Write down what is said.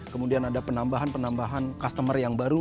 kemudian ada penambahan penambahan customer yang baru